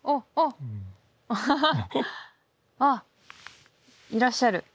あっあっいらっしゃる。